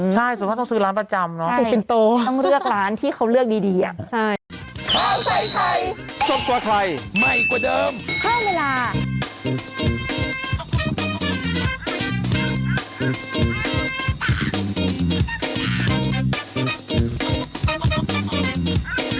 ใช่สุดท้ายต้องซื้อร้านประจำเนอะตัวเป็นโตต้องเลือกร้านที่เขาเลือกดีอ่ะใช่